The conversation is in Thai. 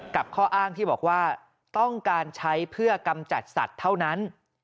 ข้ออ้างที่บอกว่าต้องการใช้เพื่อกำจัดสัตว์เท่านั้น